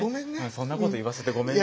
そんなこと言わせてごめんね。